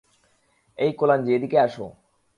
এই কোলাঞ্জি, এদিকে এসো।